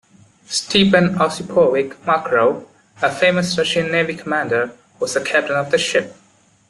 Stepan Osipovich Makarov, a famous Russian Navy commander, was the captain of the ship.